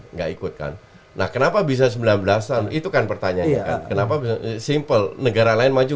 enggak ikut kan nah kenapa bisa sembilan belas an itu kan pertanyaannya kan kenapa simpel negara lain maju